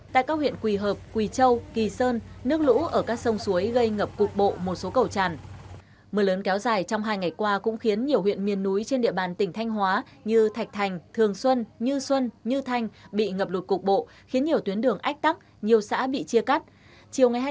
tại các huyện quỳ hợp quỳ châu kỳ sơn nước lũ ở các sông suối gây ngập cục bộ một số cầu tràn